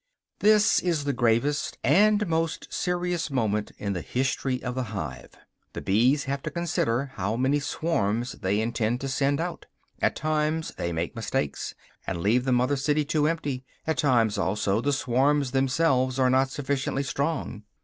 This is the gravest and most serious moment in the history of the hive. The bees have to consider how many swarms they intend to send out; at times they make mistakes, and leave the mother city too empty, at times also the swarms themselves are not sufficiently strong.